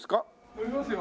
乗りますよ。